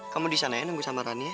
kamu disana ya nunggu sama rani ya